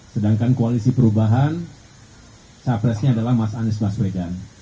sedangkan koalisi perubahan sapresnya adalah mas anies baswegan